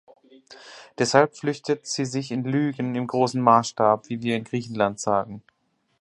Deshalb flüchtet sie sich in "Lügen im großen Maßstab", wie wir in Griechenland sagen.